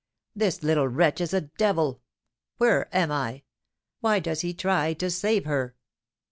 "This little wretch is a devil! Where am I? Why does he try to save her?"